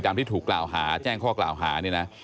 ที่ถูกกล่าวหาแจ้งข้อกล่าวหาเนี่ยนะ